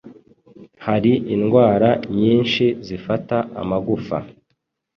Hari indwara nyinshi zifata amagufa